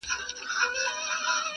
لکه اسمان چي له ملیاره سره لوبي کوي،